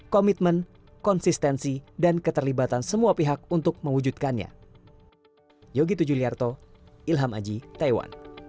komitmen konsistensi dan keterlibatan semua pihak untuk mewujudkannya